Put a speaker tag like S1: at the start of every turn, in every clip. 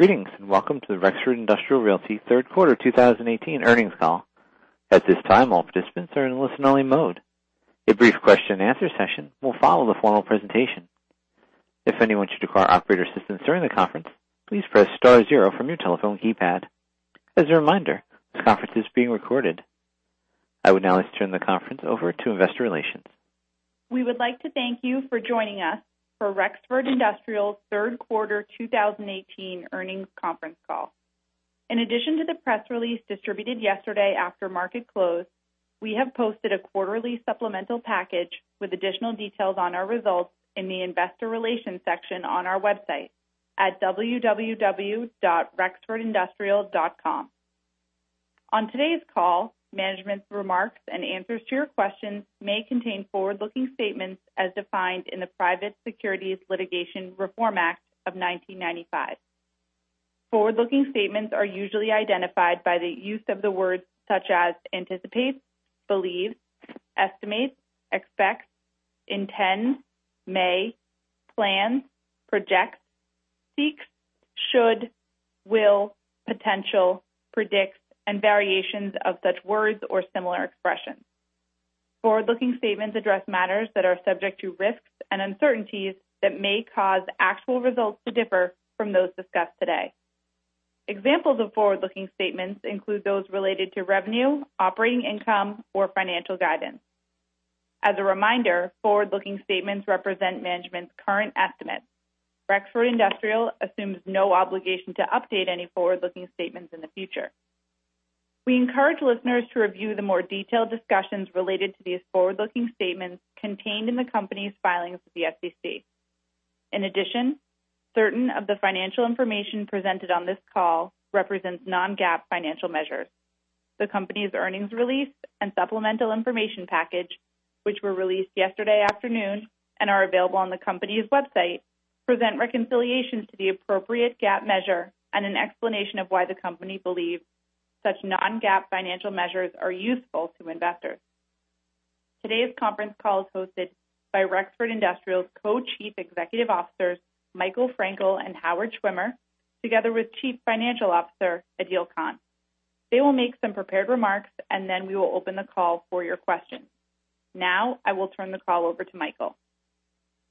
S1: Greetings. Welcome to the Rexford Industrial Realty third quarter 2018 earnings call. At this time, all participants are in listen only mode. A brief question and answer session will follow the formal presentation. If anyone should require operator assistance during the conference, please press star 0 from your telephone keypad. As a reminder, this conference is being recorded. I would now like to turn the conference over to investor relations.
S2: We would like to thank you for joining us for Rexford Industrial's third quarter 2018 earnings conference call. In addition to the press release distributed yesterday after market close, we have posted a quarterly supplemental package with additional details on our results in the investor relations section on our website at rexfordindustrial.com. On today's call, management's remarks and answers to your questions may contain forward-looking statements as defined in the Private Securities Litigation Reform Act of 1995. Forward-looking statements are usually identified by the use of the words such as anticipates, believes, estimates, expects, intends, may, plans, projects, seeks, should, will, potential, predicts, and variations of such words or similar expressions. Forward-looking statements address matters that are subject to risks and uncertainties that may cause actual results to differ from those discussed today. Examples of forward-looking statements include those related to revenue, operating income, or financial guidance. As a reminder, forward-looking statements represent management's current estimates. Rexford Industrial assumes no obligation to update any forward-looking statements in the future. We encourage listeners to review the more detailed discussions related to these forward-looking statements contained in the company's filings with the SEC. In addition, certain of the financial information presented on this call represents non-GAAP financial measures. The company's earnings release and supplemental information package, which were released yesterday afternoon and are available on the company's website, present reconciliations to the appropriate GAAP measure and an explanation of why the company believes such non-GAAP financial measures are useful to investors. Today's conference call is hosted by Rexford Industrial's Co-Chief Executive Officers, Michael Frankel and Howard Schwimmer, together with Chief Financial Officer, Adeel Khan. They will make some prepared remarks, and then we will open the call for your questions. Now, I will turn the call over to Michael.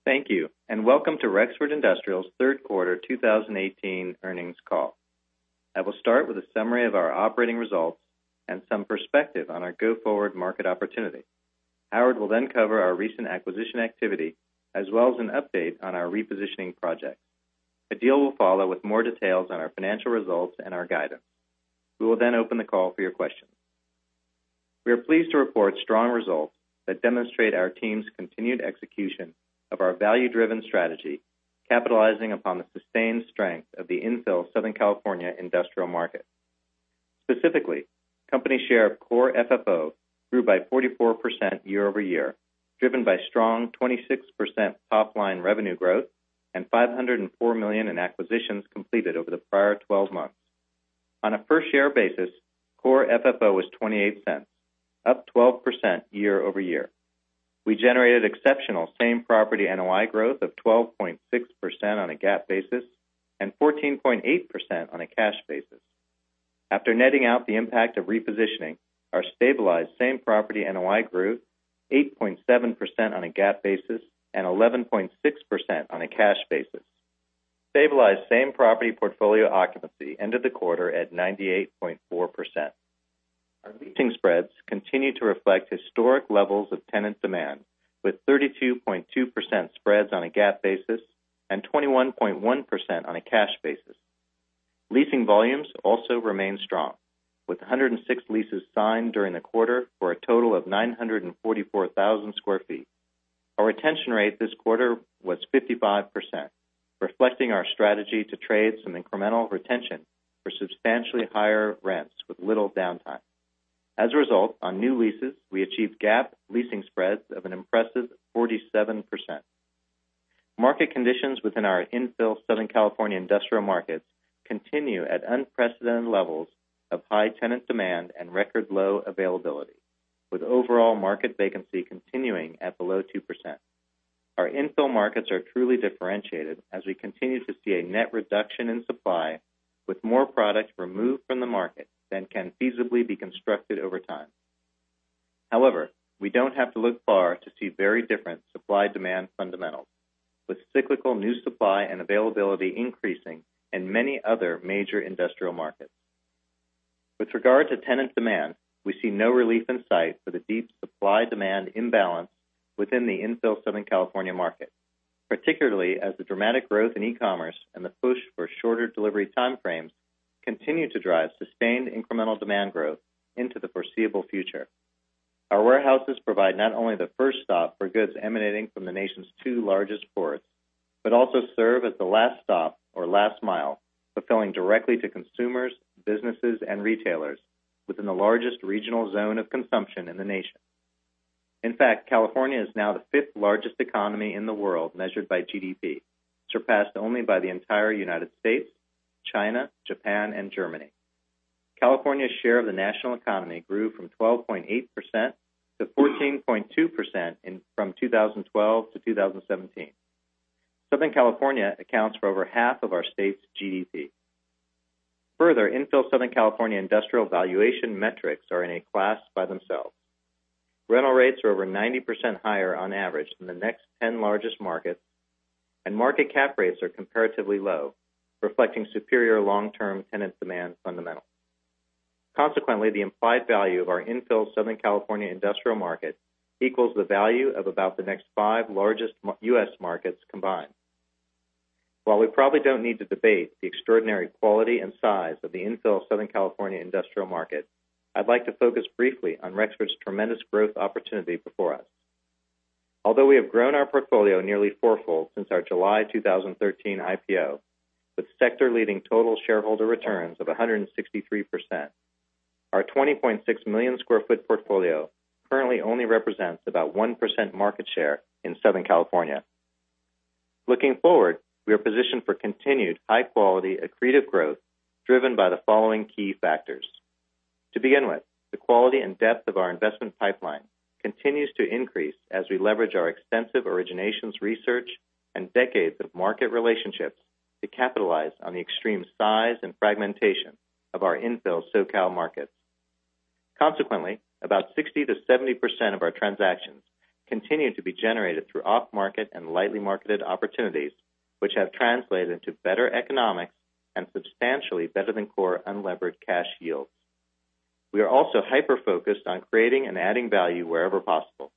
S3: Thank you. Welcome to Rexford Industrial's third quarter 2018 earnings call. I will start with a summary of our operating results and some perspective on our go-forward market opportunity. Howard will then cover our recent acquisition activity as well as an update on our repositioning project. Adeel will follow with more details on our financial results and our guidance. We will then open the call for your questions. We are pleased to report strong results that demonstrate our team's continued execution of our value-driven strategy, capitalizing upon the sustained strength of the infill Southern California industrial market. Specifically, company share of core FFO grew by 44% year-over-year, driven by strong 26% top-line revenue growth and $504 million in acquisitions completed over the prior 12 months. On a per share basis, core FFO was $0.28, up 12% year-over-year. We generated exceptional same-property NOI growth of 12.6% on a GAAP basis and 14.8% on a cash basis. After netting out the impact of repositioning, our stabilized same-property NOI grew 8.7% on a GAAP basis and 11.6% on a cash basis. Stabilized same-property portfolio occupancy ended the quarter at 98.4%. Our leasing spreads continue to reflect historic levels of tenant demand with 32.2% spreads on a GAAP basis and 21.1% on a cash basis. Leasing volumes also remain strong with 106 leases signed during the quarter for a total of 944,000 sq ft. Our retention rate this quarter was 55%, reflecting our strategy to trade some incremental retention for substantially higher rents with little downtime. As a result, on new leases, we achieved GAAP leasing spreads of an impressive 47%. Market conditions within our infill Southern California industrial markets continue at unprecedented levels of high tenant demand and record low availability, with overall market vacancy continuing at below 2%. Our infill markets are truly differentiated as we continue to see a net reduction in supply with more product removed from the market than can feasibly be constructed over time. We don't have to look far to see very different supply-demand fundamentals, with cyclical new supply and availability increasing in many other major industrial markets. With regard to tenant demand, we see no relief in sight for the deep supply-demand imbalance within the infill Southern California market, particularly as the dramatic growth in e-commerce and the push for shorter delivery timeframes continue to drive sustained incremental demand growth into the foreseeable future. Our warehouses provide not only the first stop for goods emanating from the nation's two largest ports, but also serve as the last stop or last mile, fulfilling directly to consumers, businesses, and retailers within the largest regional zone of consumption in the nation. In fact, California is now the fifth largest economy in the world measured by GDP, surpassed only by the entire United States, China, Japan, and Germany. California's share of the national economy grew from 12.8% to 14.2% from 2012 to 2017. Southern California accounts for over half of our state's GDP. Further, infill Southern California industrial valuation metrics are in a class by themselves. Rental rates are over 90% higher on average than the next 10 largest markets, and market cap rates are comparatively low, reflecting superior long-term tenant demand fundamentals. Consequently, the implied value of our infill Southern California industrial market equals the value of about the next five largest U.S. markets combined. While we probably don't need to debate the extraordinary quality and size of the infill Southern California industrial market, I'd like to focus briefly on Rexford's tremendous growth opportunity before us. Although we have grown our portfolio nearly fourfold since our July 2013 IPO, with sector-leading total shareholder returns of 163%, our 20.6 million sq ft portfolio currently only represents about 1% market share in Southern California. Looking forward, we are positioned for continued high-quality accretive growth driven by the following key factors. To begin with, the quality and depth of our investment pipeline continues to increase as we leverage our extensive originations research and decades of market relationships to capitalize on the extreme size and fragmentation of our infill SoCal markets. Consequently, about 60%-70% of our transactions continue to be generated through off-market and lightly marketed opportunities, which have translated into better economics and substantially better than core unlevered cash yields. We are also hyper-focused on creating and adding value wherever possible.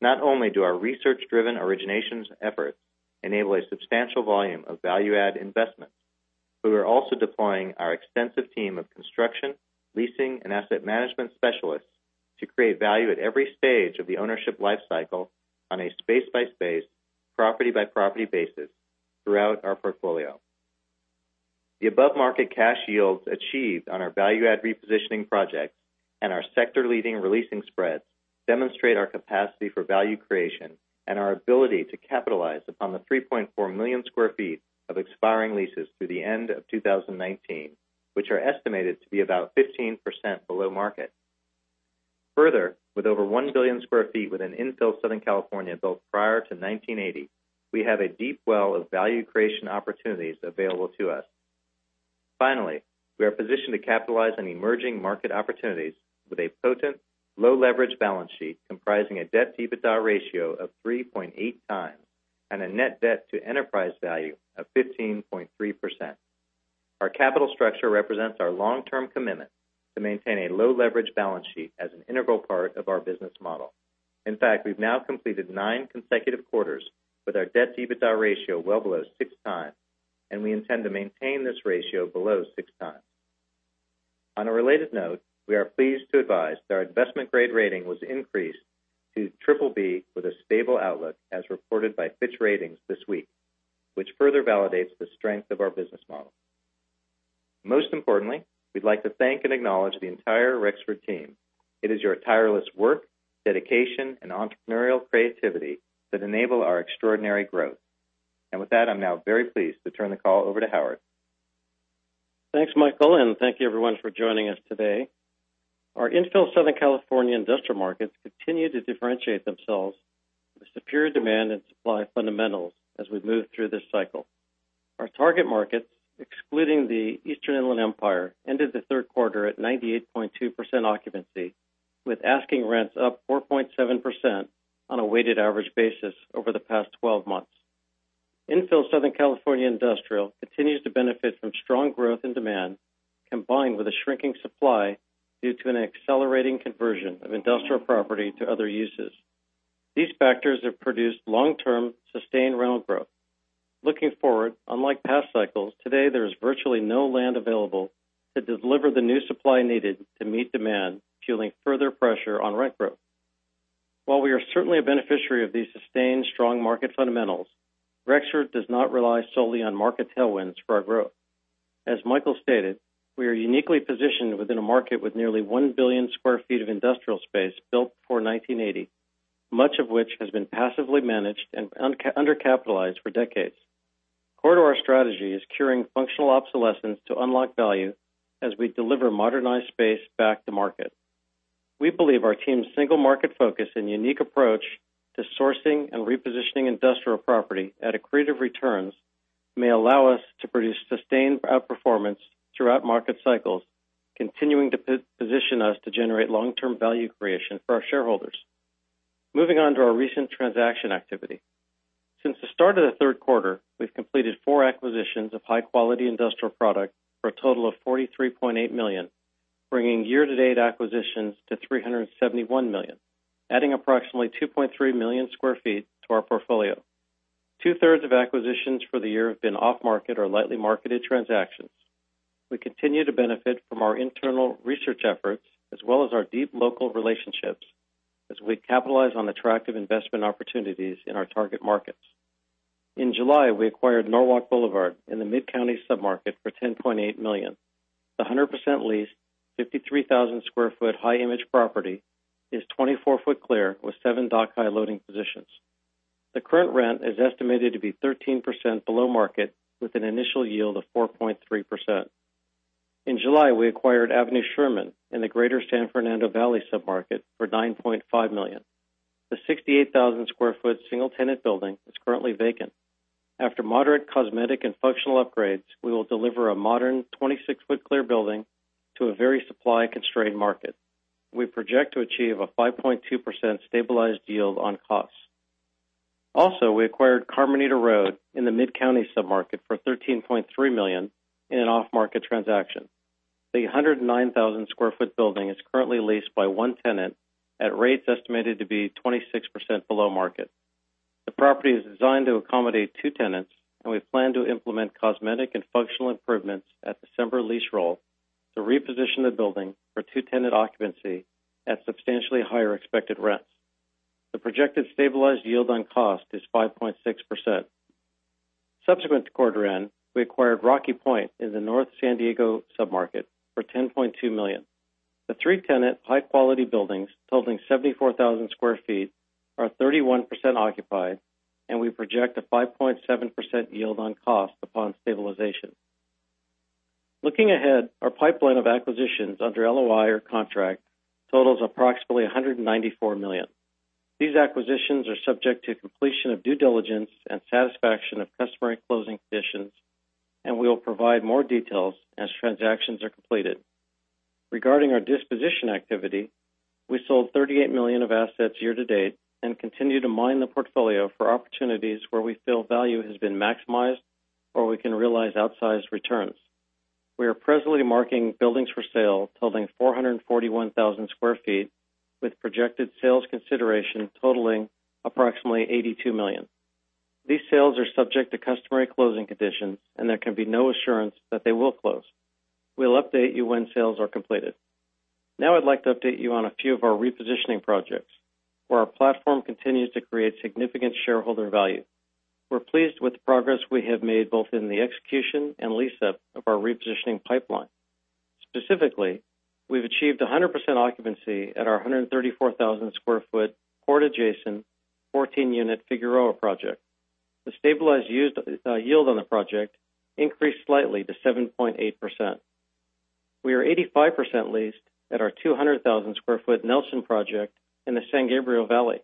S3: Not only do our research-driven originations efforts enable a substantial volume of value-add investments, but we are also deploying our extensive team of construction, leasing, and asset management specialists to create value at every stage of the ownership life cycle on a space-by-space, property-by-property basis throughout our portfolio. The above-market cash yields achieved on our value-add repositioning projects and our sector-leading re-leasing spreads demonstrate our capacity for value creation and our ability to capitalize upon the 3.4 million square feet of expiring leases through the end of 2019, which are estimated to be about 15% below market. With over 1 billion square feet within infill Southern California built prior to 1980, we have a deep well of value creation opportunities available to us. Finally, we are positioned to capitalize on emerging market opportunities with a potent low-leverage balance sheet comprising a debt-to-EBITDA ratio of 3.8 times and a net debt to enterprise value of 15.3%. Our capital structure represents our long-term commitment to maintain a low-leverage balance sheet as an integral part of our business model. In fact, we've now completed nine consecutive quarters with our debt-to-EBITDA ratio well below six times, and we intend to maintain this ratio below six times. On a related note, we are pleased to advise that our investment-grade rating was increased to BBB with a stable outlook as reported by Fitch Ratings this week, which further validates the strength of our business model. Most importantly, we'd like to thank and acknowledge the entire Rexford team. It is your tireless work, dedication, and entrepreneurial creativity that enable our extraordinary growth. With that, I'm now very pleased to turn the call over to Howard.
S4: Thanks, Michael. Thank you everyone for joining us today. Our infill Southern California industrial markets continue to differentiate themselves with superior demand and supply fundamentals as we move through this cycle. Our target markets, excluding the Eastern Inland Empire, ended the third quarter at 98.2% occupancy, with asking rents up 4.7% on a weighted average basis over the past 12 months. Infill Southern California industrial continues to benefit from strong growth in demand combined with a shrinking supply due to an accelerating conversion of industrial property to other uses. These factors have produced long-term sustained rental growth. Looking forward, unlike past cycles, today there is virtually no land available to deliver the new supply needed to meet demand, fueling further pressure on rent growth. While we are certainly a beneficiary of these sustained strong market fundamentals, Rexford does not rely solely on market tailwinds for our growth. As Michael stated, we are uniquely positioned within a market with nearly 1 billion square feet of industrial space built before 1980, much of which has been passively managed and undercapitalized for decades. Core to our strategy is curing functional obsolescence to unlock value as we deliver modernized space back to market. We believe our team's single-market focus and unique approach to sourcing and repositioning industrial property at accretive returns may allow us to produce sustained outperformance throughout market cycles, continuing to position us to generate long-term value creation for our shareholders. Moving on to our recent transaction activity. Since the start of the third quarter, we've completed four acquisitions of high-quality industrial product for a total of $43.8 million, bringing year-to-date acquisitions to $371 million, adding approximately 2.3 million square feet to our portfolio. Two-thirds of acquisitions for the year have been off-market or lightly marketed transactions. We continue to benefit from our internal research efforts as well as our deep local relationships as we capitalize on attractive investment opportunities in our target markets. In July, we acquired Norwalk Boulevard in the Mid-County sub-market for $10.8 million. The 100% leased 53,000 square foot high image property is 24-foot clear with seven dock-high loading positions. The current rent is estimated to be 13% below market, with an initial yield of 4.3%. In July, we acquired Avenue Sherman in the Greater San Fernando Valley sub-market for $9.5 million. The 68,000 square foot single tenant building is currently vacant. After moderate cosmetic and functional upgrades, we will deliver a modern 26-foot clear building to a very supply constrained market. We project to achieve a 5.2% stabilized yield on costs. Also, we acquired Carmenita Road in the Mid-County sub-market for $13.3 million in an off-market transaction. The 109,000 square foot building is currently leased by one tenant at rates estimated to be 26% below market. The property is designed to accommodate two tenants, and we plan to implement cosmetic and functional improvements at December lease roll to reposition the building for two-tenant occupancy at substantially higher expected rents. The projected stabilized yield on cost is 5.6%. Subsequent to quarter end, we acquired Rocky Point in the North San Diego sub-market for $10.2 million. The three-tenant, high quality buildings totaling 74,000 square feet are 31% occupied, and we project a 5.7% yield on cost upon stabilization. Looking ahead, our pipeline of acquisitions under LOI or contract totals approximately $194 million. These acquisitions are subject to completion of due diligence and satisfaction of customary closing conditions, and we will provide more details as transactions are completed. Regarding our disposition activity, we sold $38 million of assets year to date and continue to mine the portfolio for opportunities where we feel value has been maximized or we can realize outsized returns. We are presently marking buildings for sale totaling 441,000 square feet, with projected sales consideration totaling approximately $182 million. These sales are subject to customary closing conditions, and there can be no assurance that they will close. We'll update you when sales are completed. Now I'd like to update you on a few of our repositioning projects, where our platform continues to create significant shareholder value. We're pleased with the progress we have made both in the execution and lease up of our repositioning pipeline. Specifically, we've achieved 100% occupancy at our 134,000 square foot port adjacent 14-unit Figueroa project. The stabilized yield on the project increased slightly to 7.8%. We are 85% leased at our 200,000 sq ft Nelson project in the San Gabriel Valley,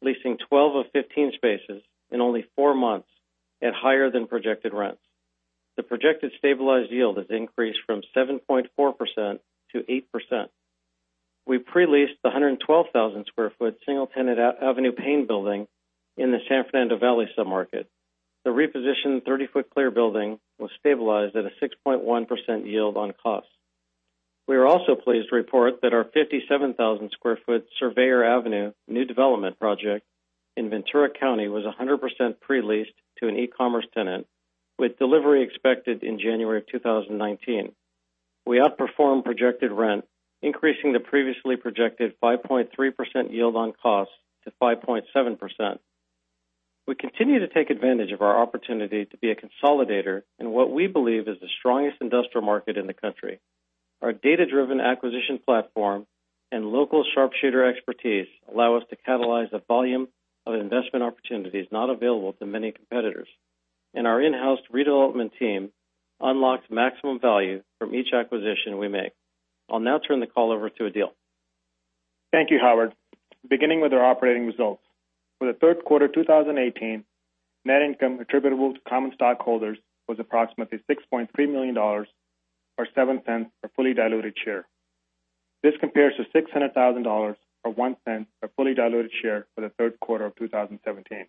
S4: leasing 12 of 15 spaces in only four months at higher than projected rents. The projected stabilized yield has increased from 7.4% to 8%. We pre-leased the 112,000 sq ft single tenant Avenue Paine building in the San Fernando Valley sub-market. The repositioned 30-foot clear building was stabilized at a 6.1% yield on cost. We are also pleased to report that our 57,000 sq ft Surveyor Avenue new development project in Ventura County was 100% pre-leased to an e-commerce tenant, with delivery expected in January of 2019. We outperformed projected rent, increasing the previously projected 5.3% yield on cost to 5.7%. We continue to take advantage of our opportunity to be a consolidator in what we believe is the strongest industrial market in the country. Our data-driven acquisition platform and local sharpshooter expertise allow us to catalyze a volume of investment opportunities not available to many competitors. Our in-house redevelopment team unlocks maximum value from each acquisition we make. I'll now turn the call over to Adeel.
S5: Thank you, Howard. Beginning with our operating results. For the third quarter 2018, net income attributable to common stockholders was approximately $6.3 million, or $0.07 a fully diluted share. This compares to $600,000 or $0.01 a fully diluted share for the third quarter of 2017.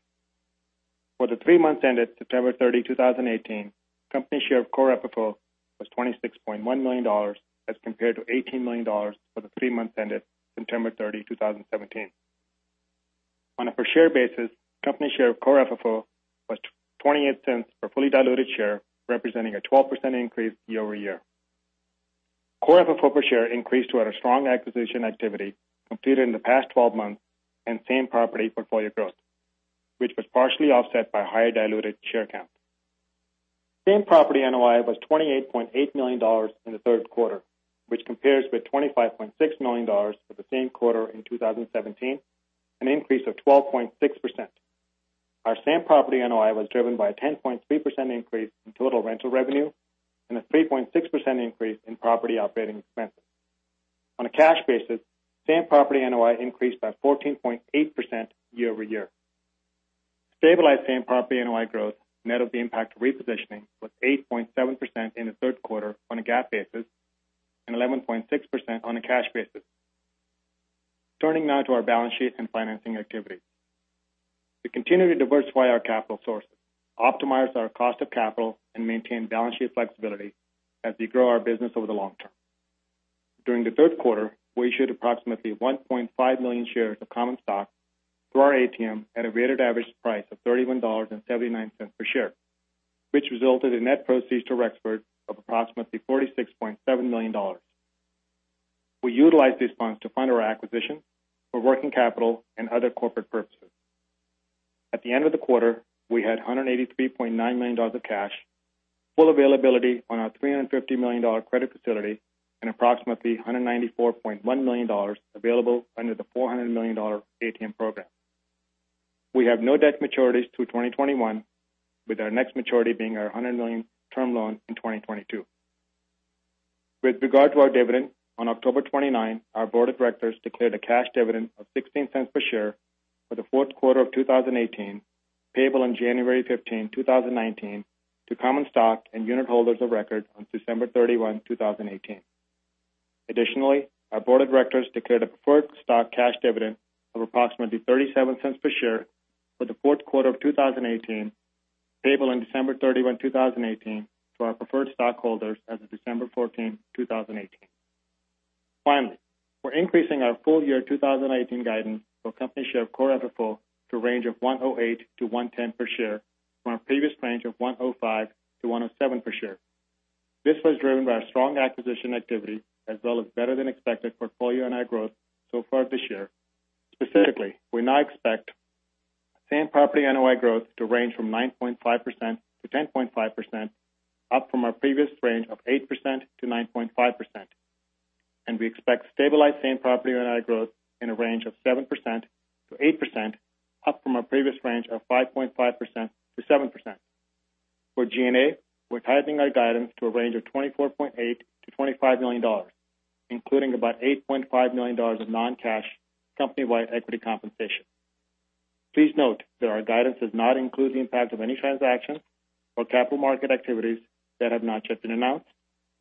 S5: For the three months ended September 30, 2018, company share of Core FFO was $26.1 million as compared to $18 million for the three months ended September 30, 2017. On a per share basis, company share of Core FFO was $0.28 per fully diluted share, representing a 12% increase year-over-year. Core FFO per share increased to our strong acquisition activity completed in the past 12 months and same property portfolio growth, which was partially offset by higher diluted share count. Same property NOI was $28.8 million in the third quarter, which compares with $25.6 million for the same quarter in 2017, an increase of 12.6%. Our same property NOI was driven by a 10.3% increase in total rental revenue and a 3.6% increase in property operating expenses. On a cash basis, same property NOI increased by 14.8% year-over-year. Stabilized same property NOI growth net of the impact of repositioning was 8.7% in the third quarter on a GAAP basis and 11.6% on a cash basis. Turning now to our balance sheet and financing activity. We continue to diversify our capital sources, optimize our cost of capital, and maintain balance sheet flexibility as we grow our business over the long term. During the third quarter, we issued approximately 1.5 million shares of common stock through our ATM at a weighted average price of $31.79 per share, which resulted in net proceeds to Rexford of approximately $46.7 million. We utilized these funds to fund our acquisition for working capital and other corporate purposes. At the end of the quarter, we had $183.9 million of cash, full availability on our $350 million credit facility and approximately $194.1 million available under the $400 million ATM program. We have no debt maturities through 2021, with our next maturity being our $100 million term loan in 2022. With regard to our dividend, on October 29, our board of directors declared a cash dividend of $0.16 per share for the fourth quarter of 2018, payable on January 15, 2019, to common stock and unit holders of record on December 31, 2018. Our board of directors declared a preferred stock cash dividend of approximately $0.37 per share for the fourth quarter of 2018, payable on December 31, 2018, to our preferred stockholders as of December 14, 2018. We're increasing our full-year 2018 guidance for company share core FFO to a range of $1.08-$1.10 per share from our previous range of $1.05-$1.07 per share. This was driven by our strong acquisition activity as well as better than expected portfolio NOI growth so far this year. Specifically, we now expect same property NOI growth to range from 9.5%-10.5%, up from our previous range of 8%-9.5%. We expect stabilized same property NOI growth in a range of 7%-8%, up from our previous range of 5.5%-7%. For G&A, we're tightening our guidance to a range of $24.8 million-$25 million, including about $8.5 million of non-cash company-wide equity compensation. Please note that our guidance does not include the impact of any transactions or capital market activities that have not yet been announced,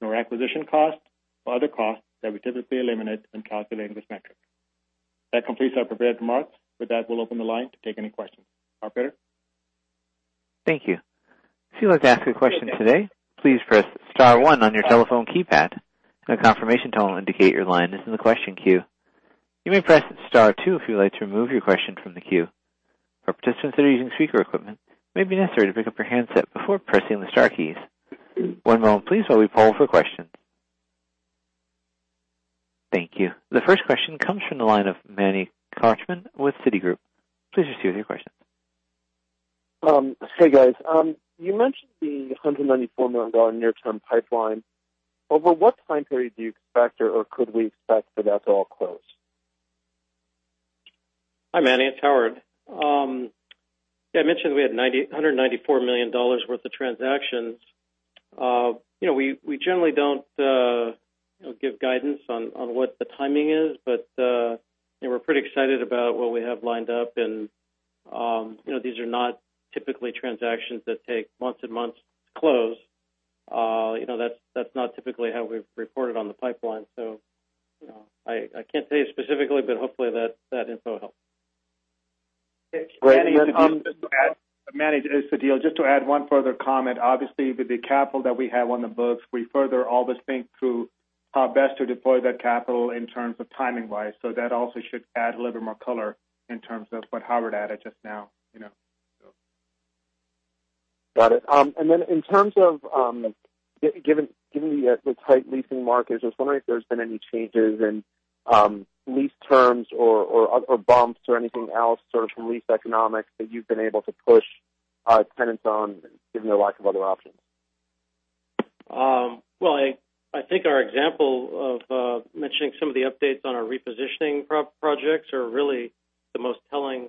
S5: nor acquisition costs or other costs that we typically eliminate when calculating this metric. That completes our prepared remarks. With that, we'll open the line to take any questions. Operator?
S1: Thank you. If you would like to ask a question today, please press *1 on your telephone keypad, and a confirmation tone will indicate your line is in the question queue. You may press *2 if you would like to remove your question from the queue. For participants that are using speaker equipment, it may be necessary to pick up your handset before pressing the star keys. One moment please, while we poll for questions. Thank you. The first question comes from the line of Manny Korchman with Citigroup. Please proceed with your questions.
S6: Hey, guys. You mentioned the $194 million near-term pipeline. Over what time period do you expect, or could we expect for that to all close?
S4: Hi, Manny, it's Howard. Yeah, I mentioned we had $194 million worth of transactions. We generally don't give guidance on what the timing is. We're pretty excited about what we have lined up, these are not typically transactions that take months and months to close. That's not typically how we've reported on the pipeline. I can't tell you specifically, but hopefully that info helps.
S6: Great.
S5: Manny, this is Adeel. Just to add one further comment. Obviously, with the capital that we have on the books, we further always think through how best to deploy that capital in terms of timing-wise. That also should add a little bit more color in terms of what Howard added just now.
S6: Got it. In terms of given the tight leasing markets, I was wondering if there's been any changes in lease terms or bumps or anything else, sort of from lease economics that you've been able to push tenants on given their lack of other options.
S4: Well, I think our example of mentioning some of the updates on our repositioning projects are really the most telling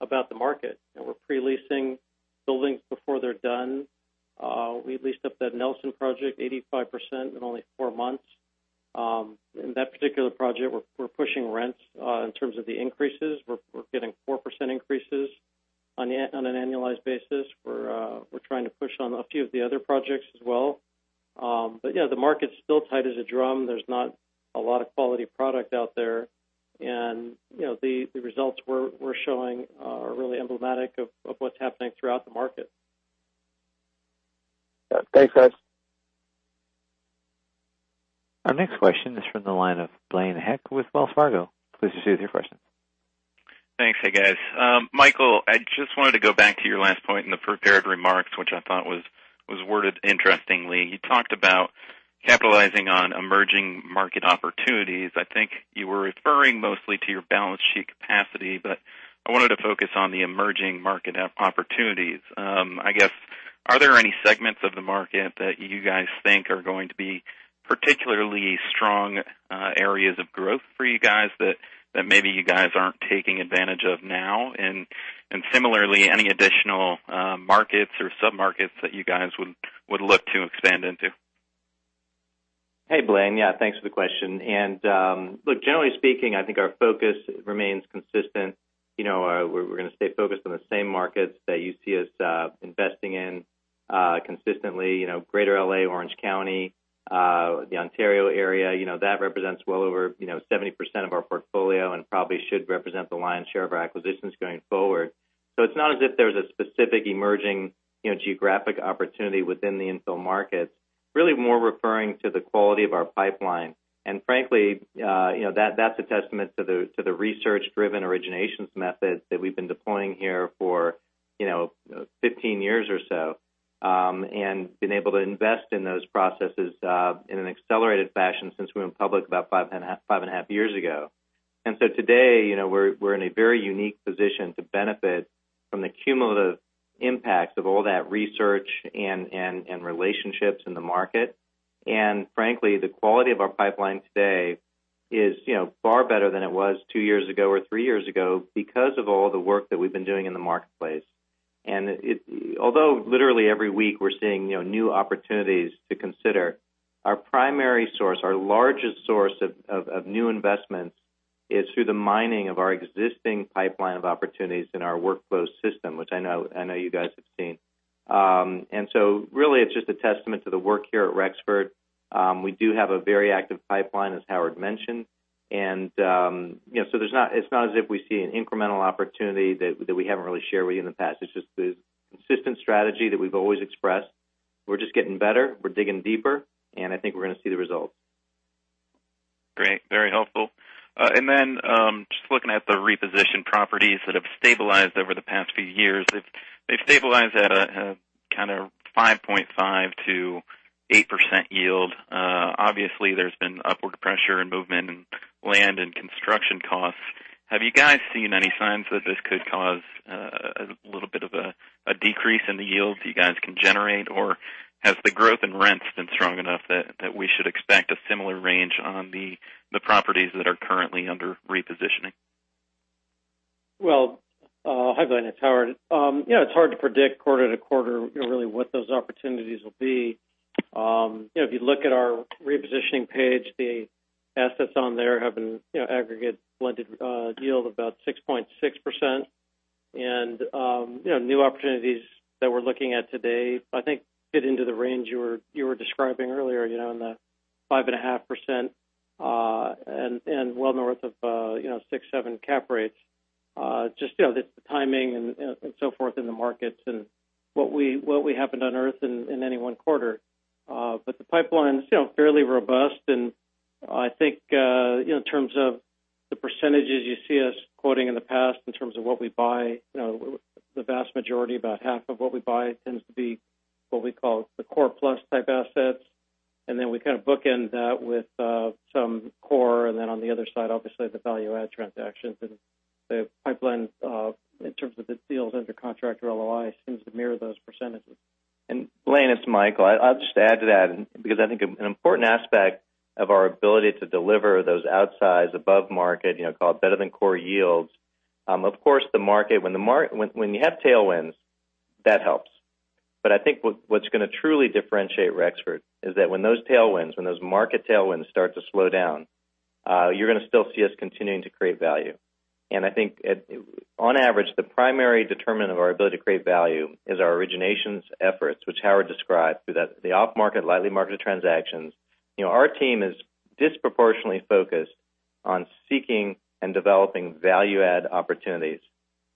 S4: about the market. We're pre-leasing buildings before they're done. We leased up that Nelson project 85% in only four months. In that particular project, we're pushing rents in terms of the increases. We're getting 4% increases on an annualized basis. We're trying to push on a few of the other projects as well. Yeah, the market's still tight as a drum. There's not a lot of quality product out there. The results we're showing are really emblematic of what's happening throughout the market.
S6: Thanks, guys.
S1: Our next question is from the line of Blaine Heck with Wells Fargo. Please proceed with your question.
S7: Thanks. Hey, guys. Michael, I just wanted to go back to your last point in the prepared remarks, which I thought was worded interestingly. You talked about capitalizing on emerging market opportunities. I think you were referring mostly to your balance sheet capacity, but I wanted to focus on the emerging market opportunities. I guess, are there any segments of the market that you guys think are going to be particularly strong areas of growth for you guys that maybe you guys aren't taking advantage of now? Similarly, any additional markets or sub-markets that you guys would look to expand into?
S3: Hey, Blaine. Yeah, thanks for the question. Look, generally speaking, I think our focus remains consistent. We're going to stay focused on the same markets that you see us investing in consistently. Greater L.A., Orange County, the Ontario area. That represents well over 70% of our portfolio and probably should represent the lion's share of our acquisitions going forward. It's not as if there's a specific emerging geographic opportunity within the infill markets. Really more referring to the quality of our pipeline. Frankly, that's a testament to the research-driven originations methods that we've been deploying here for 15 years or so, and been able to invest in those processes in an accelerated fashion since we went public about five and a half years ago. Today, we're in a very unique position to benefit from the cumulative impacts of all that research and relationships in the market. Frankly, the quality of our pipeline today is far better than it was two years ago or three years ago because of all the work that we've been doing in the marketplace. Although literally every week we're seeing new opportunities to consider, our primary source, our largest source of new investments is through the mining of our existing pipeline of opportunities in our workflow system, which I know you guys have seen. Really, it's just a testament to the work here at Rexford. We do have a very active pipeline, as Howard mentioned. It's not as if we see an incremental opportunity that we haven't really shared with you in the past. It's just the consistent strategy that we've always expressed. We're just getting better, we're digging deeper, and I think we're going to see the results.
S7: Great. Very helpful. Then, just looking at the reposition properties that have stabilized over the past few years, they've stabilized at a kind of 5.5%-8% yield. Obviously, there's been upward pressure and movement in land and construction costs. Have you guys seen any signs that this could cause a little bit of a decrease in the yields you guys can generate? Or has the growth in rents been strong enough that we should expect a similar range on the properties that are currently under repositioning?
S4: Well, hi, Blaine. It's Howard. It's hard to predict quarter to quarter really what those opportunities will be. If you look at our repositioning page, the assets on there have an aggregate blended yield of about 6.6%. New opportunities that we're looking at today, I think fit into the range you were describing earlier, in the 5.5% and well north of six, seven cap rates. Just the timing and so forth in the markets and what we happen to unearth in any one quarter. The pipeline's fairly robust, and I think in terms of the percentages you see us quoting in the past in terms of what we buy, the vast majority, about half of what we buy tends to be what we call the core plus type assets. We kind of bookend that with some core, and then on the other side, obviously, the value-add transactions. The pipeline, in terms of its deals under contract or LOI, seems to mirror those percentages.
S3: Blaine, it's Michael. I'll just add to that because I think an important aspect of our ability to deliver those outsized above-market, call it better than core yields. Of course, when you have tailwinds, that helps. I think what's going to truly differentiate Rexford is that when those tailwinds, when those market tailwinds start to slow down, you're going to still see us continuing to create value. I think on average, the primary determinant of our ability to create value is our originations efforts, which Howard described, through the off-market, lightly marketed transactions. Our team is disproportionately focused on seeking and developing value-add opportunities.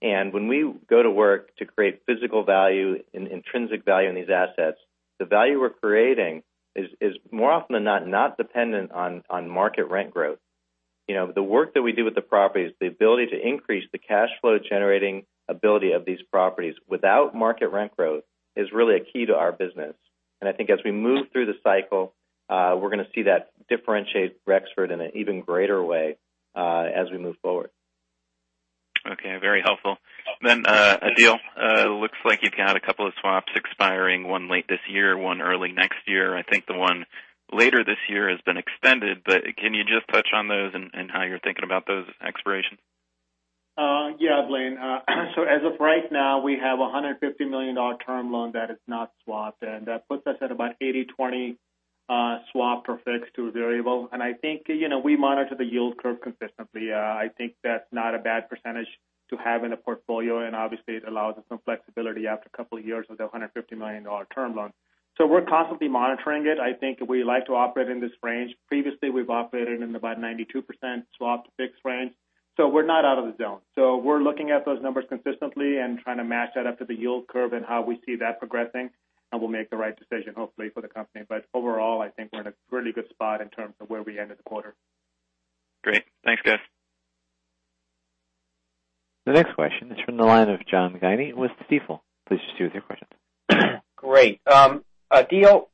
S3: When we go to work to create physical value and intrinsic value in these assets, the value we're creating is more often than not dependent on market rent growth. The work that we do with the properties, the ability to increase the cash flow generating ability of these properties without market rent growth is really a key to our business. I think as we move through the cycle, we're going to see that differentiate Rexford in an even greater way as we move forward.
S7: Okay. Very helpful. Adeel, looks like you've got a couple of swaps expiring, one late this year, one early next year. I think the one later this year has been extended, but can you just touch on those and how you're thinking about those expirations?
S5: Yeah, Blaine. As of right now, we have a $150 million term loan that is not swapped, and that puts us at about 80/20 swap for fixed to variable. I think we monitor the yield curve consistently. I think that's not a bad percentage to have in a portfolio, and obviously, it allows us some flexibility after a couple of years with that $150 million term loan. We're constantly monitoring it. I think we like to operate in this range. Previously, we've operated in about 92% swapped fixed range. We're not out of the zone. We're looking at those numbers consistently and trying to match that up to the yield curve and how we see that progressing, and we'll make the right decision, hopefully, for the company. Overall, I think we're in a really good spot in terms of where we ended the quarter.
S7: Great. Thanks, guys.
S1: The next question is from the line of John Guinee with Stifel. Please [inaudible] with your questions.
S8: Great. Adeel,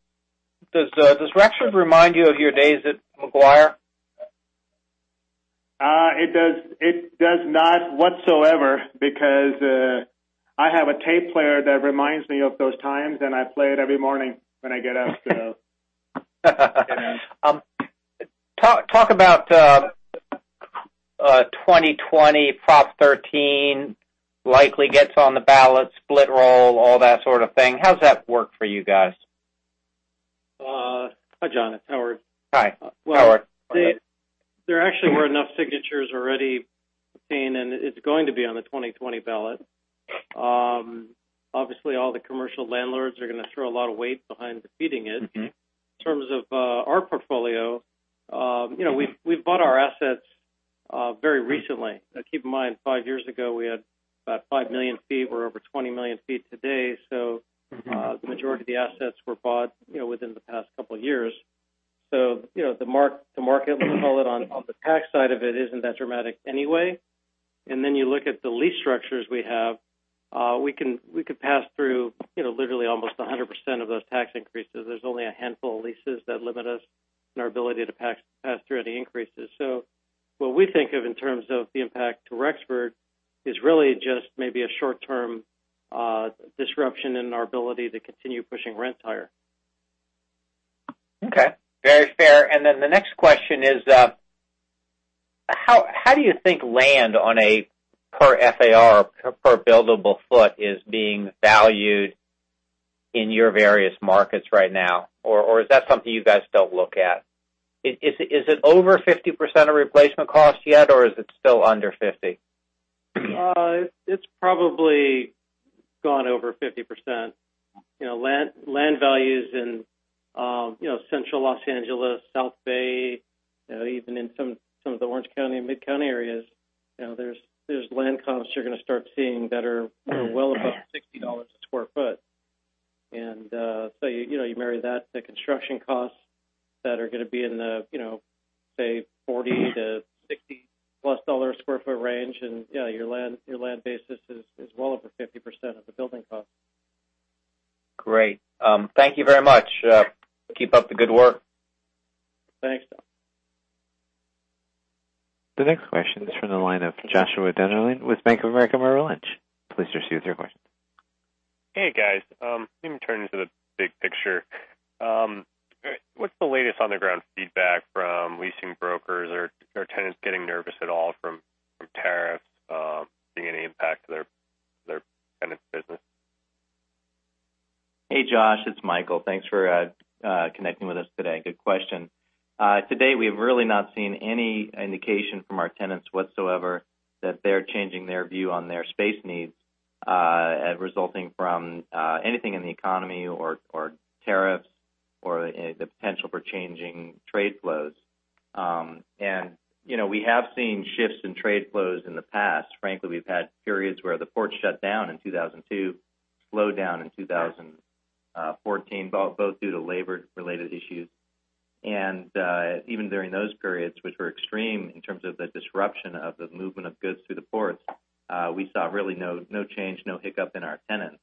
S8: does Rexford remind you of your days at Maguire?
S5: It does not whatsoever because I have a tape player that reminds me of those times, and I play it every morning when I get up.
S8: Talk about 2020 Proposition 13 likely gets on the ballot, split roll, all that sort of thing. How's that work for you guys?
S4: Hi, John. It's Howard.
S8: Hi, Howard.
S4: Well, there actually were enough signatures already obtained, and it's going to be on the 2020 ballot. Obviously, all the commercial landlords are going to throw a lot of weight behind defeating it. In terms of our portfolio, we've bought our assets very recently. Keep in mind, five years ago, we had about five million feet. We're over 20 million feet today. The majority of the assets were bought within the past couple of years. The market, let me call it on the tax side of it, isn't that dramatic anyway. Then you look at the lease structures we have, we could pass through literally almost 100% of those tax increases. There's only a handful of leases that limit us in our ability to pass through any increases. What we think of in terms of the impact to Rexford is really just maybe a short-term disruption in our ability to continue pushing rent higher.
S8: Okay. Very fair. The next question is, how do you think land on a per FAR, per buildable foot is being valued in your various markets right now? Or is that something you guys don't look at? Is it over 50% of replacement cost yet, or is it still under 50%?
S4: It's probably gone over 50%. Land values in Central Los Angeles, South Bay, even in some of the Orange County and Mid-County areas, there's land costs you're going to start seeing that are well above $60 a square foot. So you marry that to construction costs that are going to be in the, say, $40 to $60-plus square foot range, and yeah, your land basis is well over 50% of the building cost.
S8: Great. Thank you very much. Keep up the good work.
S4: Thanks.
S1: The next question is from the line of Joshua Dennerlein with Bank of America Merrill Lynch. Please proceed with your question.
S9: Hey, guys. Let me turn to the big picture. What's the latest on-the-ground feedback from leasing brokers? Are tenants getting nervous at all from tariffs, seeing any impact to their tenants' business?
S3: Hey, Joshua, it's Michael. Thanks for connecting with us today. Good question. To date, we have really not seen any indication from our tenants whatsoever that they're changing their view on their space needs, resulting from anything in the economy or tariffs or the potential for changing trade flows. We have seen shifts in trade flows in the past. Frankly, we've had periods where the ports shut down in 2002, slowed down in 2014, both due to labor-related issues. Even during those periods, which were extreme in terms of the disruption of the movement of goods through the ports, we saw really no change, no hiccup in our tenants.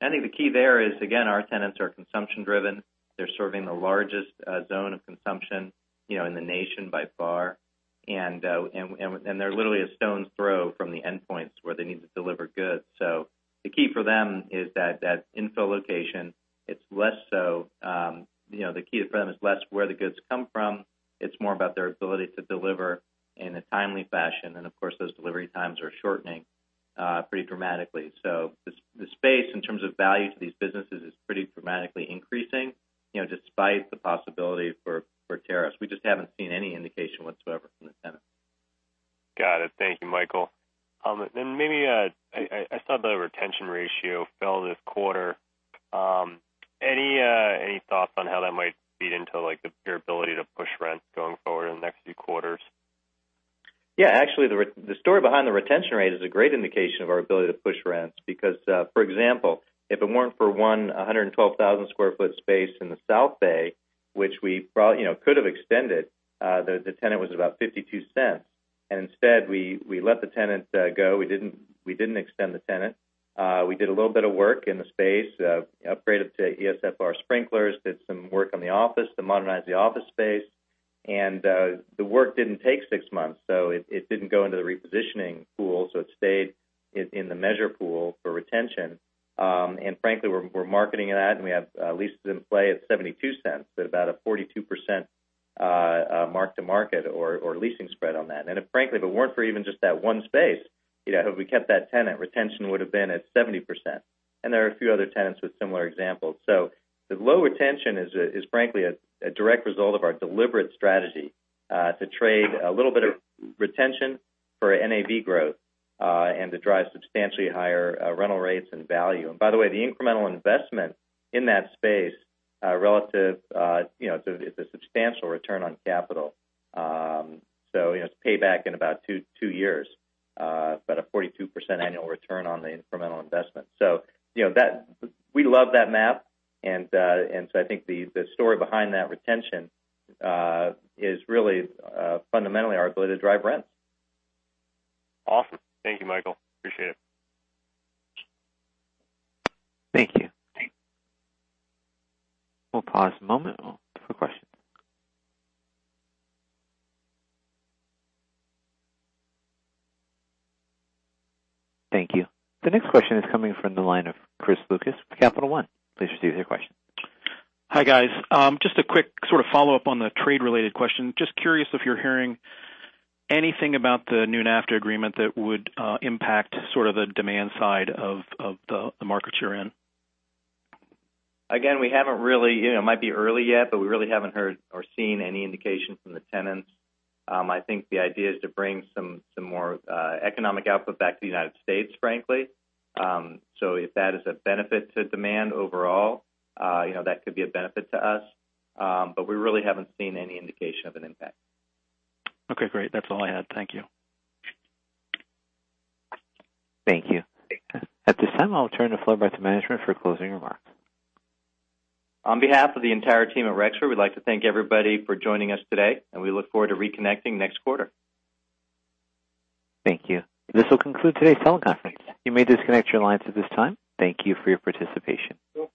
S3: I think the key there is, again, our tenants are consumption-driven. They're serving the largest zone of consumption in the nation by far. They're literally a stone's throw from the endpoints where they need to deliver goods. The key for them is that infill location. The key to them is less where the goods come from. It's more about their ability to deliver in a timely fashion. Of course, those delivery times are shortening pretty dramatically. The space, in terms of value to these businesses, is pretty dramatically increasing despite the possibility for tariffs. We just haven't seen any indication whatsoever from the tenants.
S9: Got it. Thank you, Michael. Maybe, I saw the retention ratio fell this quarter. Any thoughts on how that might feed into your ability to push rent going forward in the next few quarters?
S3: Yeah, actually, the story behind the retention rate is a great indication of our ability to push rents because, for example, if it weren't for one 112,000 sq ft space in the South Bay, which we could have extended, the tenant was about $0.52. Instead, we let the tenant go. We didn't extend the tenant. We did a little bit of work in the space, upgraded to ESFR sprinklers, did some work on the office to modernize the office space. The work didn't take six months, so it didn't go into the repositioning pool, so it stayed in the measure pool for retention. Frankly, we're marketing that, and we have leases in play at $0.72. About a 42% mark-to-market or leasing spread on that. Frankly, if it weren't for even just that one space, if we kept that tenant, retention would have been at 70%. There are a few other tenants with similar examples. The low retention is frankly a direct result of our deliberate strategy, to trade a little bit of retention for NAV growth, and to drive substantially higher rental rates and value. By the way, the incremental investment in that space relative, it's a substantial return on capital. It's payback in about two years, but a 42% annual return on the incremental investment. We love that map. I think the story behind that retention is really fundamentally our ability to drive rents.
S9: Awesome. Thank you, Michael. Appreciate it.
S1: Thank you.
S9: Thanks.
S1: We'll pause a moment for questions. Thank you. The next question is coming from the line of Chris Lucas with Capital One. Please proceed with your question.
S10: Hi, guys. Just a quick sort of follow-up on the trade-related question. Just curious if you're hearing anything about the new NAFTA agreement that would impact sort of the demand side of the markets you're in.
S3: Again, it might be early yet, but we really haven't heard or seen any indication from the tenants. I think the idea is to bring some more economic output back to the U.S., frankly. If that is a benefit to demand overall, that could be a benefit to us. We really haven't seen any indication of an impact.
S10: Okay, great. That's all I had. Thank you.
S1: Thank you. At this time, I'll turn the floor back to management for closing remarks.
S3: On behalf of the entire team at Rexford, we'd like to thank everybody for joining us today, and we look forward to reconnecting next quarter.
S1: Thank you. This will conclude today's teleconference. You may disconnect your lines at this time. Thank you for your participation.